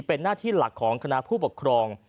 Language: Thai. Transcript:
เป็นหน้าที่หลักของคณะผู้ปกครอง